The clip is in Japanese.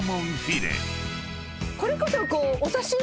これこそ。